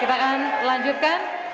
kita akan lanjutkan